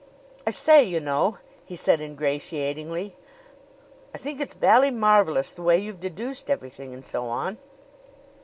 "I say, you know," he said ingratiatingly, "I think it's bally marvelous the way you've deduced everything, and so on."